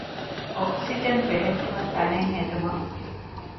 އޮކްސިޖަން ބެހެއްޓުމަށް ތަނެއް ހެދުމަށް